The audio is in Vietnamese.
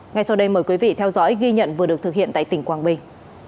ngay sau đây mời quý vị theo dõi ghi nhận vừa được thực hiện tại tỉnh quảng bình